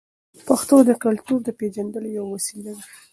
پښتو د کلتور د پیژندلو یوه وسیله ده.